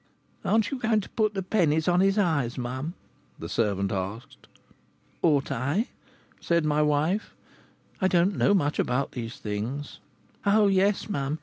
"Aren't you going to put the pennies on his eyes, mum?" the servant asked. "Ought I?" said my wife. "I don't know much about these things." "Oh, yes, mum.